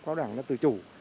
qua đảng là tự chủ